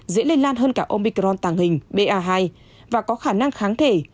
dễ lây lan hơn cả omicron tàng hình ba hai và có khả năng kháng thể